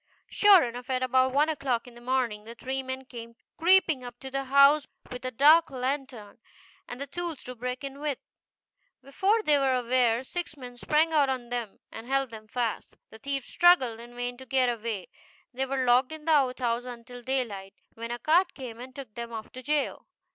Sure enough, at about one o'clock in the morning the three men came creeping, creeping up to the house with a dark lantern, and the tools to break in with. Before they were aware, six men sprang out on them, and held them fast. The thieves struggled in vain to get away. They were GOODY TWO SHOES locked in an out house until daylight, when a cart came and took them off to jail.